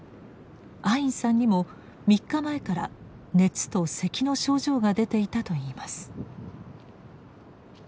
アインさんにも３日前から熱と咳の症状が出ていたといいます。